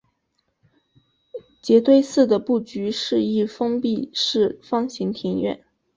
杰堆寺的布局是一封闭式方形庭院。